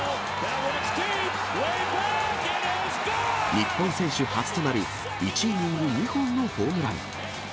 日本選手初となる、１イニング２本のホームラン。